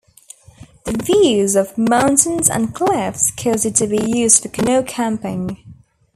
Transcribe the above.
The views of mountains and cliffs cause it to be used for canoe camping.